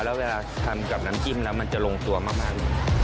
แล้วเวลาทำกับน้ำจิ้มแล้วมันจะลงตัวมากเลย